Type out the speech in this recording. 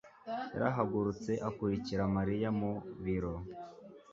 yarahagurutse akurikira Mariya mu biro.